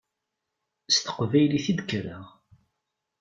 S teqbaylit i d-kkreɣ.